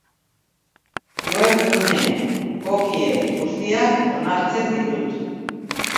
Webguneen cookie guztiak onartzen ditut.